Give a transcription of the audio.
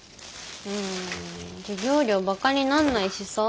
うん授業料バカになんないしさ。